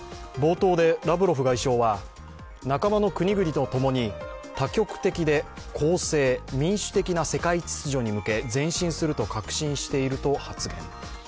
冒頭でラブロフ外相は、仲間の国々と共に多極的で公正、民主的な世界秩序に向け前進すると確信していると発言。